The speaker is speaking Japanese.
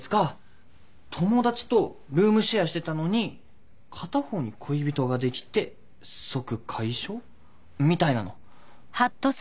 友達とルームシェアしてたのに片方に恋人ができて即解消みたいなの。